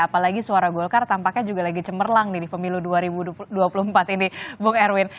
apalagi suara golkar tampaknya juga lagi cemerlang di pemilu dua ribu dua puluh empat ini bung erwin